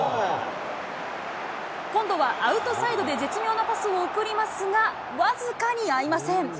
今度はアウトサイドで絶妙なパスを送りますが、僅かに合いません。